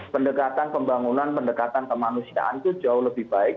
pendekatan pembangunan pendekatan kemanusiaan itu jauh lebih baik